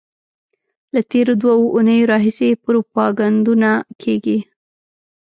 له تېرو دوو اونیو راهیسې پروپاګندونه کېږي.